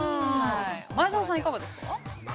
◆前園さん、いかがですか。